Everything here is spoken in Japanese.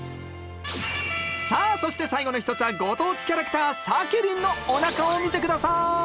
さあそして最後の一つはご当地キャラクター「サケリン」のおなかを見て下さい！